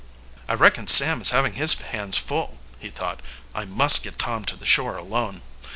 "I reckon Sam is having his hands full," he thought. "I must get Tom to the shore alone.